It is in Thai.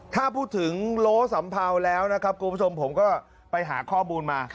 ถ้าพูดถึงโล้สัมเภาแล้วนะครับคุณผู้ชมผมก็ไปหาข้อมูลมา